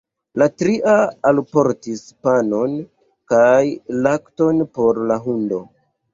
La tria alportis panon kaj lakton por la hundo.